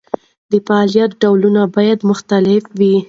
د فعالیت ډولونه باید مختلف وي.